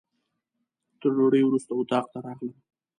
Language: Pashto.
تر ډوډۍ وروسته اتاق ته راغلم.